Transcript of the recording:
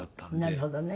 なるほどね。